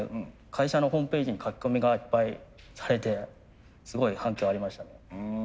会社のホームページに書き込みがいっぱいされてすごい反響ありましたね。